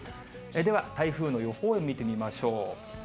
では、台風の予報円を見てみましょう。